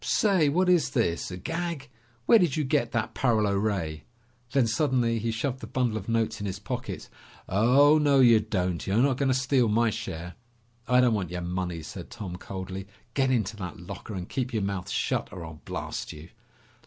"Say, what is this? A gag? Where did you get that paralo ray?" Then suddenly he shoved the bundle of notes in his pocket. "Oh, no, you don't! You're not going to steal my share!" "I don't want your money!" said Tom coldly. "Get into that locker and keep your mouth shut, or I'll blast you!"